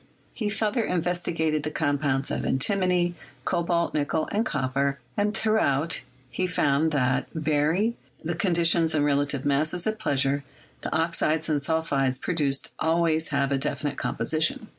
He further investigated the compounds of antimony, cobalt, nickel, and copper, and throughout he found that, vary the conditions and relative masses at pleasure, the oxides and sulphides produced always have a definite composition.